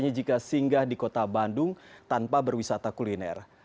ketiga mengandung high protein